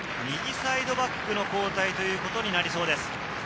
右サイドバックの交代ということになりそうです。